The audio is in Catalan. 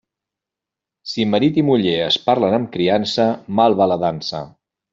Si marit i muller es parlen amb criança, mal va la dansa.